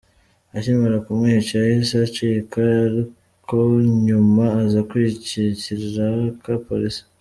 Akimara kumwica yahise acika, ariko nyuma aza kwishyikirika Polisi.